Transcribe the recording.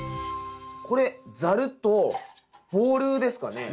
これザルとボウルですかね。